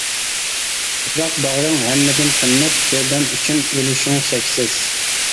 تۇپراق باغرىڭ ھەممىدىن قىممەت، بىر دان ئۈچۈن ئۆلۈشۈڭ شەكسىز.